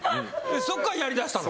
そっからやりだしたの？